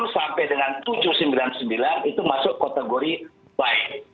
sepuluh sampai dengan tujuh ratus sembilan puluh sembilan itu masuk kategori baik